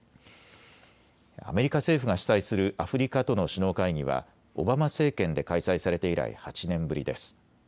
アメリカ政府が主催するアフリカとの首脳会議はオバマ政権で開催されて以来、８年ぶりです。